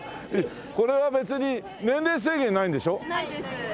これは別に年齢制限ないんでしょ？